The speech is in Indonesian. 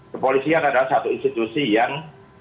kepolisian adalah satu institusi yang